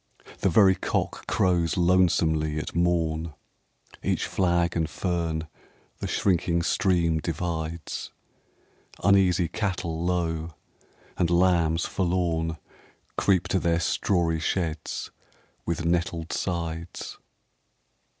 The very cock crows lonesomely at morn — Each flag and fern the shrinking stream divides — Uneasy cattle low, and lambs forlorn Creep to their strawy sheds with nettled sides.